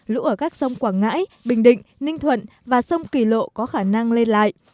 lũ ở các sông quảng ngãi bình định ninh thuận và sông kỳ lộ có khả năng lên lại